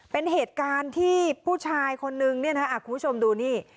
เป็นเหตุการณ์ที่ผู้ชายคนนึงเนี่ยนะคุณผู้ชมดูนี่